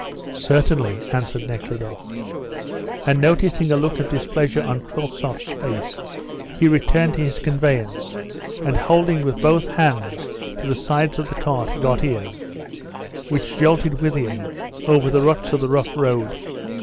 "Certainly," answered Nekhludoff; and noticing a look of displeasure on Kryltzoff's face, he returned to his conveyance, and holding with both hands to the sides of the cart, got in, which jolted with him over the ruts of the rough road.